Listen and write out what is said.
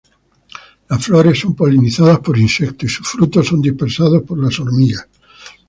Las flores son polinizadas por insectos y sus frutos son dispersados por las hormigas.